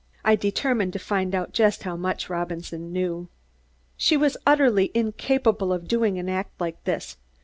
I determined to find out just how much Robinson knew. "She was utterly incapable of doing an act like this.